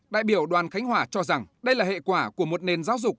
đại biểu đoàn khánh hòa cho rằng đây là hệ quả của một nền giáo dục